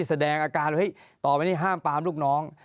ที่แสดงอาการว่าเฮ้ต่อไปเนี่ยห้ามป้ามรุกน้อง